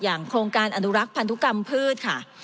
โครงการอนุรักษ์พันธุกรรมพืชค่ะ